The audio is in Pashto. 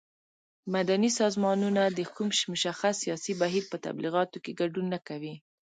مدني سازمانونه د کوم مشخص سیاسي بهیر په تبلیغاتو کې ګډون نه کوي.